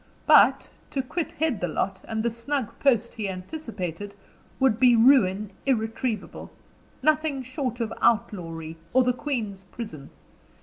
But, to quit Headthelot, and the snug post he anticipated, would be ruin irretrievable; nothing short of outlawry, or the queen's prison.